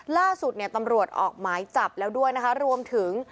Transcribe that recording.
ล่าสุดเนี่ยตำรวจออกหมายจับแล้วด้วยนะคะรวมถึง